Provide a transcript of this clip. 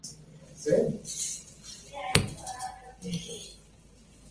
No obstante el contrato nunca se ratificó.